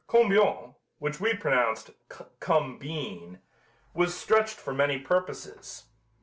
"Combien," which we pronounced "come bean," was stretched for many purposes.